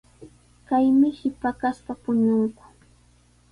Kay mishi paqaspa puñunku.